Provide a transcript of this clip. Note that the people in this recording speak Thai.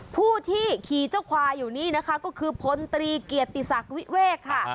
ผู้ที่ขี่เจ้าควายอยู่นี่นะคะก็คือพลตรีเกียรติศักดิ์วิเวกค่ะ